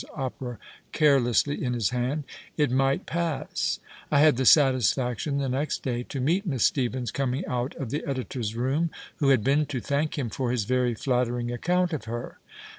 s Opera carelessly in his hand), ' it might pass/ ... I had the satisfaction the next day to meet Miss Stephens coming out of the Editor's room, who had been to thank him for his very flattering account of her.'